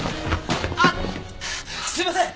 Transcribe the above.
あっすみません！